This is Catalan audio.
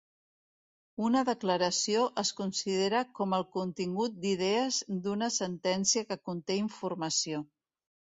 Una declaració es considera com el contingut d'idees d'una sentència que conté informació.